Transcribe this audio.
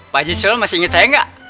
pak jisul masih inget saya gak